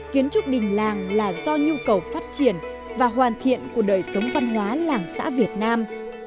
kiến trúc đình làng là do nhu cầu phát triển và hoàn thiện của đời sống văn hóa làng xã việt nam